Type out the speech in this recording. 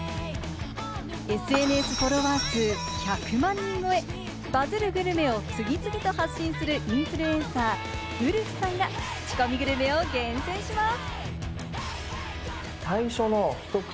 ＳＮＳフォロワー数１００万人超え、バズるグルメを次々と発信するインフルエンサー、ウルフさんがクチコミグルメを厳選します。